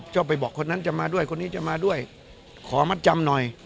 ชอบไปบอกคนนั้นจะมาด้วยคนนี้จะมาด้วยขอมัดจำหน่อย